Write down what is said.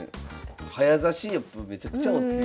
早指しやっぱめちゃくちゃお強い。